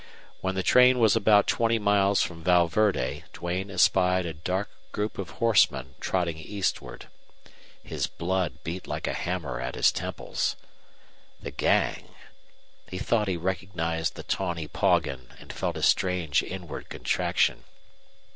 When the train was about twenty miles from Val Verde Duane espied a dark group of horsemen trotting eastward. His blood beat like a hammer at his temples. The gang! He thought he recognized the tawny Poggin and felt a strange inward contraction.